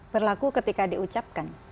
berlaku ketika diucapkan